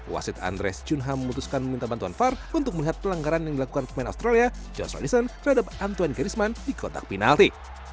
wasid andres cunha memutuskan meminta bantuan vor untuk melihat pelanggaran yang dilakukan pemain australia josh radisson terhadap antoine griezmann di kotak penalti